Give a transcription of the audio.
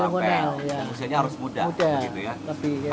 pengusianya harus muda